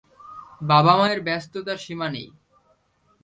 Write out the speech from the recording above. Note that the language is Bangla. বাবা মায়ের ব্যস্ততার সীমা নেই।